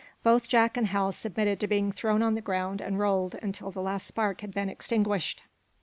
Both Jack and Hal submitted to being thrown on the ground and rolled until the last spark had been extinguished.